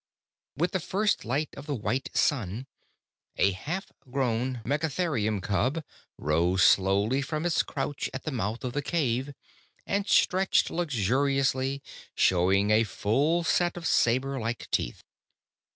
_ With the first light of the white sun, a half grown megatherium cub rose slowly from its crouch at the mouth of the cave and stretched luxuriously, showing a full set of saber like teeth.